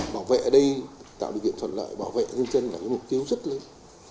bảo vệ ở đây tạo điều kiện thuận lợi bảo vệ nhân dân là mục tiêu rất lớn